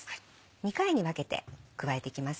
２回に分けて加えていきます。